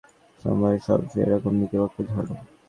সবসময়ই এরকম নীতিবাক্য ঝাড়ো?